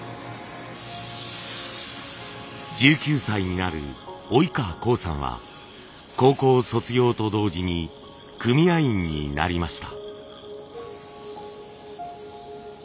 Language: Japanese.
１９歳になる及川好さんは高校卒業と同時に組合員になりました。